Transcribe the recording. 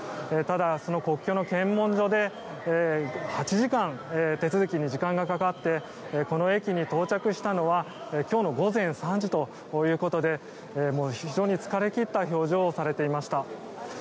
ただ、その国境の検問所で８時間手続きに時間がかかってこの駅に到着したのは今日の午前３時ということで非常に疲れ切った表情をされていました。